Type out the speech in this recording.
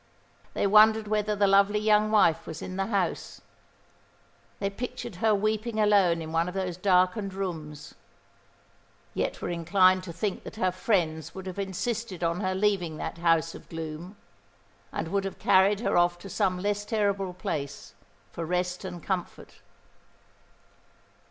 They wondered whether the lovely young wife was in the house. They pictured her weeping alone in one of those darkened rooms; yet were inclined to think that her friends would have insisted on her leaving that house of gloom, and would have carried her off to some less terrible place for rest and comfort.